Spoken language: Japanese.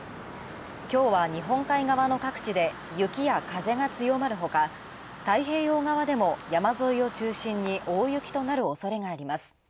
きょうは日本海側の各地で雪や風が強まる中太平洋側でも山沿いを中心に大雪となるおそれがあります。